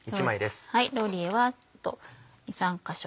ローリエは２３か所